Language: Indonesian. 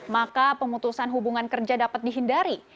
maka pemutusan hubungan kerja dapat dihindari